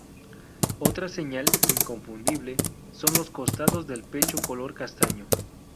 Otra señal inconfundible son los costados del pecho color castaño.